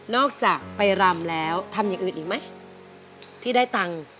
อกจากไปรำแล้วทำอย่างอื่นอีกไหมที่ได้ตังค์